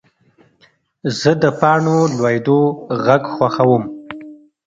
زه د پاڼو لوېدو غږ خوښوم.